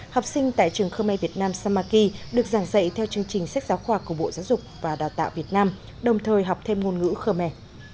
học sinh tại trường khơ me việt nam samaki được giảng dạy theo chương trình sách giáo khoa của bộ giáo dục và đào tạo việt nam đồng thời học thêm ngôn ngữ khơ me